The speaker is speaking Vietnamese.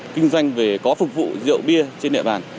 kinh doanh về có phục vụ rượu bia trên địa bàn